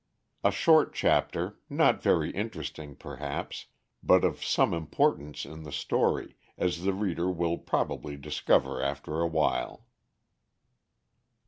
_A Short Chapter, not very interesting, perhaps, but of some Importance in the Story, as the Reader will probably discover after awhile.